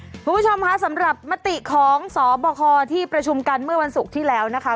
คุณผู้ชมคะสำหรับมติของสบคที่ประชุมกันเมื่อวันศุกร์ที่แล้วนะคะ